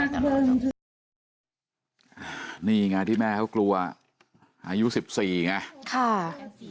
คนที่แม่เค้ากลัวอายุ๑๔ไง